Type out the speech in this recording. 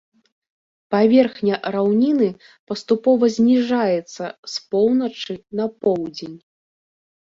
Паверхня раўніны паступова зніжаецца з поўначы на поўдзень.